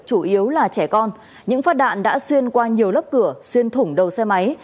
chủ yếu là trẻ con những phát đạn đã xuyên qua nhiều lớp cửa xuyên thủng đầu xe máy